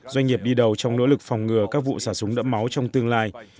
doanh nghiệp đi đầu trong nỗ lực phòng ngừa các vụ xả súng đẫm máu trong tương lai